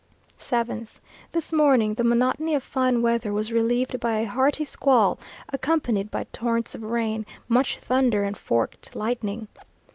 7th. This morning the monotony of fine weather was relieved by a hearty squall, accompanied by torrents of rain, much thunder, and forked lightning.